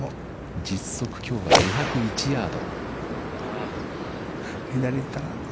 実測きょうは２０１ヤード。